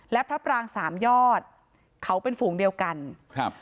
และพระปรางสามยอดเขาเป็นฝูงเดียวกันครับ